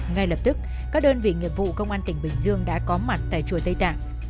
ngay lập tức các đơn vị nghiệp vụ công an tỉnh bình dương đã có mặt tại chùa tây tạng